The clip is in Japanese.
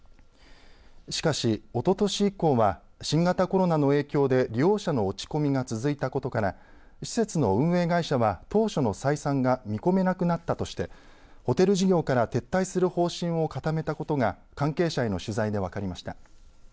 しかし、おととし以降は新型コロナの影響で利用者の落ち込みが続いたことから施設の運営会社は、当初の採算が見込めなくなったとしてホテル事業から撤退する方針を固めたことが関係者への取材で分かりました。